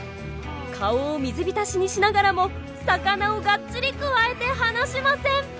顔を水浸しにしながらも魚をがっちりくわえて放しません！